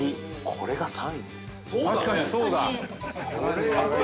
◆これが３位よ。